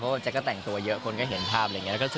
เพราะว่าแจ๊คก็แต่งตัวเยอะคนก็เห็นภาพ